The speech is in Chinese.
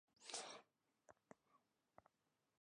行政中心位于安纳波利斯罗亚尔。